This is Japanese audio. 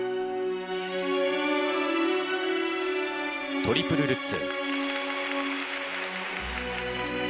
トリプルルッツ。